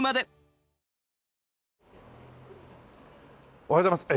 おはようございます。